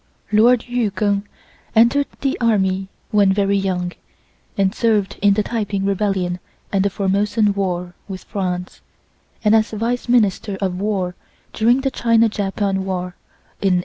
Lord Yu Keng entered the army when very young, and served in the Taiping rebellion and the Formosan war with France, and as Vice Minister of War during the China Japan war in 1895.